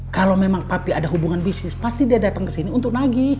kalau memang tapi ada hubungan bisnis pasti dia datang ke sini untuk nagi